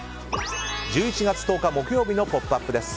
１１月１０日、木曜日の「ポップＵＰ！」です。